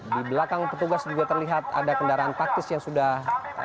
di belakang petugas juga terlihat ada kendaraan taktis yang sudah berlapis untuk pengamanan